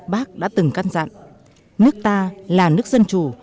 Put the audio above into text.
bác đã từng căn dặn nước ta là nước dân chủ